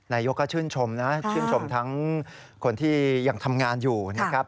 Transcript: นายกก็ชื่นชมนะชื่นชมทั้งคนที่ยังทำงานอยู่นะครับ